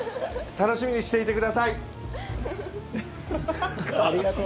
楽しみにしていてください。